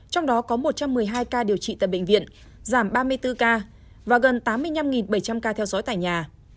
trong đó có một trăm một mươi hai ca điều trị tại bệnh viện giảm ba mươi bốn ca và gần tám mươi năm bảy trăm linh ca theo dõi tại nhà